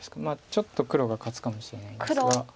まあちょっと黒が勝つかもしれないんですが。